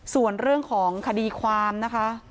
ส่วนเรื่องของคดีความนะคะ